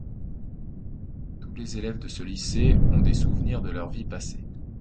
Tous les élèves de ce lycée ont des souvenirs de leurs vies passées.